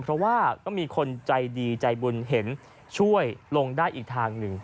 เพราะว่าก็มีคนใจดีใจบุญเห็นช่วยลงได้อีกทางหนึ่ง